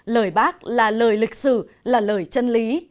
lời bác là lời lịch sử là lời chân lý